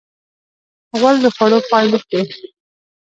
غول د خوړو پای لیک دی.